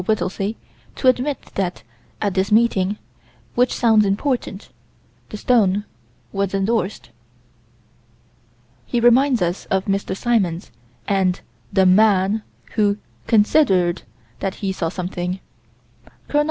Whittelsey to admit that, at this meeting, which sounds important, the stone was endorsed. He reminds us of Mr. Symons, and "the man" who "considered" that he saw something. Col.